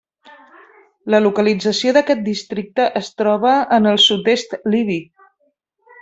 La localització d'aquest districte es troba en el sud-est libi.